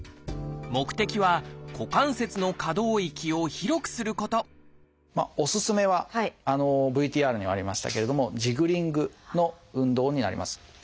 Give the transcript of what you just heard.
目的は股関節の可動域を広くすることおすすめはＶＴＲにありましたけれどもジグリングの運動になります。